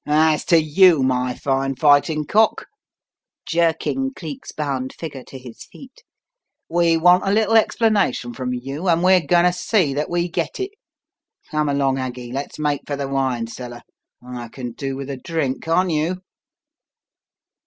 "As to you, my fine fighting cock," jerking Cleek's bound figure to his feet, "we want a little explanation from you, and we're going to see that we get it. Come along, Aggie, let's make for the wine cellar. I can do with a drink, can't you?"